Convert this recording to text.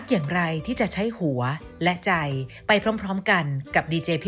สวัสดีค่ะ